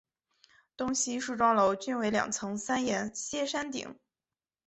东西梳妆楼均为两层三檐歇山顶。